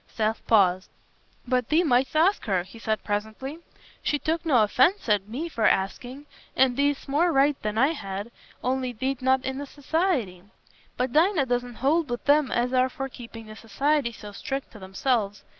Seth paused. "But thee mightst ask her," he said presently. "She took no offence at me for asking, and thee'st more right than I had, only thee't not in the Society. But Dinah doesn't hold wi' them as are for keeping the Society so strict to themselves.